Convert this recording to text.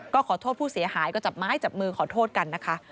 ก็ขอโทษผู้เสียหายก็จับไม้จับมือขอโทษกันนะคะ